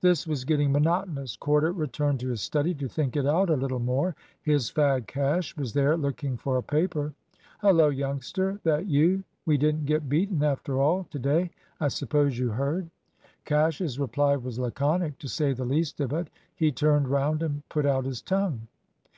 This was getting monotonous. Corder returned to his study to think it out a little more. His fag, Cash, was there looking for a paper. "Hullo, youngster! that you? We didn't get beaten after all, to day, I suppose you heard." Cash's reply was laconic, to say the least of it. He turned round and put out his tongue.